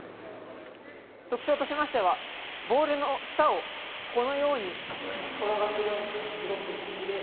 特徴としましてはボールの下をこのように転がすように動く。